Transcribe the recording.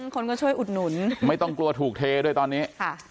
คนก็ช่วยอุดหนุนไม่ต้องกลัวถูกเทด้วยตอนนี้ค่ะ